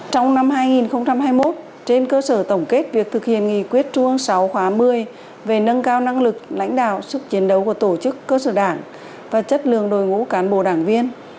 trong năm hai nghìn hai mươi một trên cơ sở tổng kết việc thực hiện nghị quyết trung ương sáu khóa một mươi về nâng cao năng lực lãnh đạo sức chiến đấu của tổ chức cơ sở đảng và chất lượng đội ngũ cán bộ đảng viên